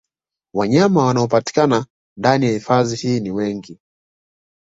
Wanyama wanaopatikana ndani ya hifadhi hii ni wengi